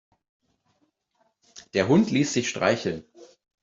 Der Hund ließ sich streicheln.